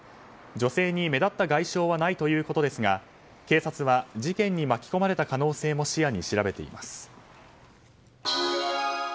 女性に目立った外傷はないということですが警察は事件に巻き込まれた可能性も視野に調べています。